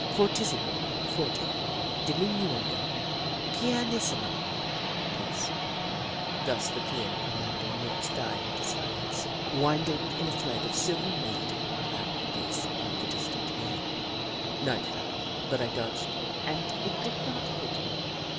For tissimo, forte, decrescendo, piano, diminuendo, pianissimo, peace — thus the clear command ing notes died into silence, winding in a thread of silver melody around the base of the distant hill. Niofht fell, but I dodo^ed and it did not hit me.